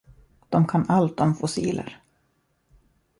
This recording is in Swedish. De kan allt om fossiler.